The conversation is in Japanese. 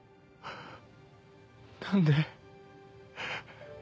何で？